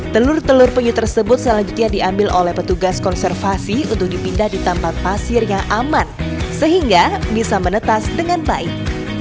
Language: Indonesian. telur telur penyu tersebut selanjutnya diambil oleh petugas konservasi untuk dipindah di tampang pasir yang aman sehingga bisa menetas dengan baik